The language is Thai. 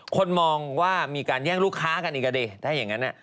คนมองว่ามีการแย่งลูกค้ากันอีกอ่ะดิถ้าอย่างนั้น